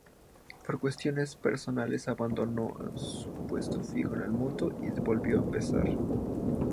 Por cuestiones personales abandonó su puesto fijo en El Mundo y volvió a empezar.